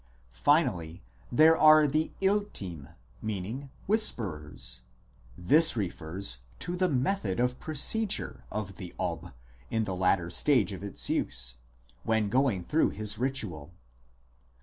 Finally, there are the Iltim, meaning " whisperers "; this refers to the method of procedure of the Ob (in the later stage of its use) when going through his ritual (see section V).